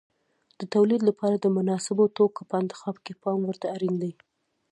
د تولید لپاره د مناسبو توکو په انتخاب کې پام ورته اړین دی.